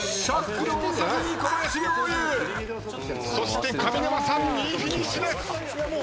そして上沼さん２位フィニッシュです。